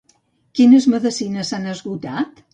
Quines medicines s'han esgotat?